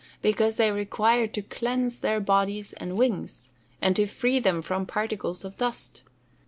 _ Because they require to cleanse their bodies and wings, and to free them from particles of dust.